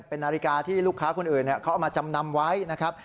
เป็นนาฬิกาที่ลูกค้าคนอื่นเขาเอามาจำนำไว้นะครับ